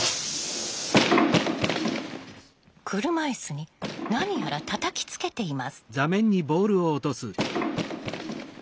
車いすに何やらたたきつけています。